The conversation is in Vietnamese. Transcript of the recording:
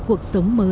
cuộc sống mới hôm nay